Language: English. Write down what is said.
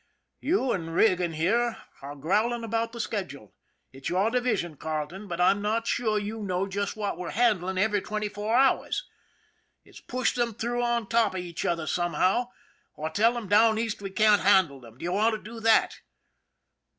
" You and Regan here are growling about the schedule. It's your division, Carleton; but I'm not sure you know just what we're handling every twenty four hours. It's push them through on top of each other somehow, or tell them down East we can't handle them. Do you want to do that